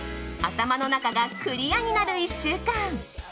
頭の中がクリアになる１週間。